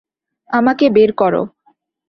আমাকে বের করো!